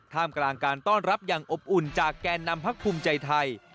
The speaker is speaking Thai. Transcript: มกลางการต้อนรับอย่างอบอุ่นจากแกนนำพักภูมิใจไทย